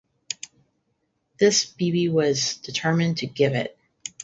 This Bibi was determined to give it.